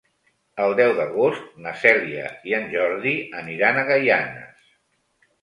El deu d'agost na Cèlia i en Jordi aniran a Gaianes.